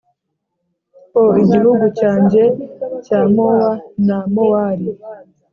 o, igihugu cyanjye cya moa na maori,